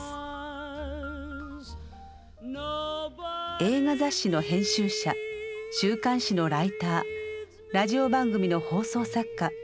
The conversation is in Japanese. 映画雑誌の編集者週刊誌のライターラジオ番組の放送作家。